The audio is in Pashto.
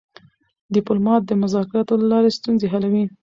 ډيپلومات د مذاکراتو له لارې ستونزې حلوي.